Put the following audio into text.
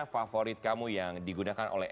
favorit kamu yang digunakan oleh